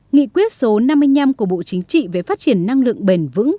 nghị quyết số năm mươi năm của bộ chính trị về phát triển năng lượng bền vững